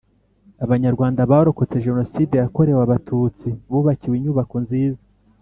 Abanyarwanda barokotse jenoside yakorewe abatutsi bubakiwe inyubako nziza